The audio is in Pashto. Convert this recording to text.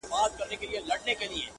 شیطان ګوره چي ایمان په کاڼو ولي,